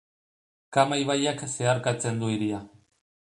Kama ibaiak zeharkatzen du hiria.